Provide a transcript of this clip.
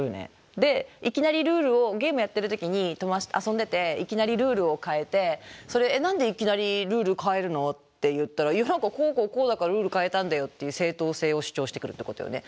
でいきなりルールをゲームやってる時に友達と遊んでていきなりルールを変えて「それえっ何でいきなりルール変えるの？」って言ったら「こうこうこうだからルール変えたんだよ」っていう正当性を主張してくるってことよね？